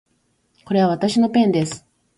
これはわたしのペンです